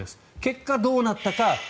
結果、どうなったか。